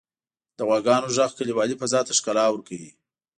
• د غواګانو ږغ کلیوالي فضا ته ښکلا ورکوي.